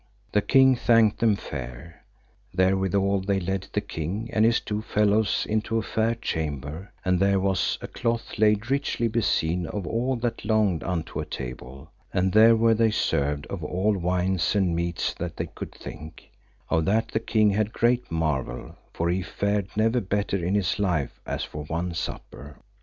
The king thanked them fair. Therewithal they led the king and his two fellows into a fair chamber, and there was a cloth laid, richly beseen of all that longed unto a table, and there were they served of all wines and meats that they could think; of that the king had great marvel, for he fared never better in his life as for one supper.